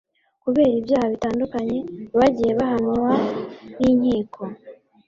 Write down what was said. kubera ibyaha bitandukanye bagiye bahamywa n'inkiko.